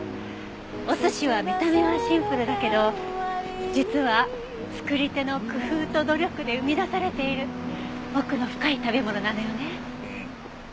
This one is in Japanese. お寿司は見た目はシンプルだけど実は作り手の工夫と努力で生み出されている奥の深い食べ物なのよね。